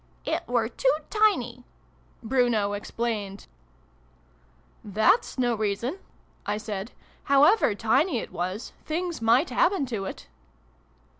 " It were too tiny," Bruno explained. ''That's no reason!" I said. "However tiny it was, things might happen to it."